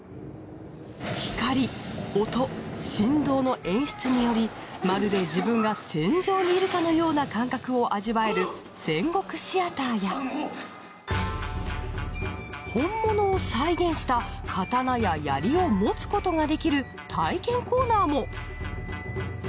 光・音・振動の演出によりまるで自分が戦場にいるかのような感覚を味わえる戦国シアターや本物を再現した刀や槍を持つことができる体験コーナーも！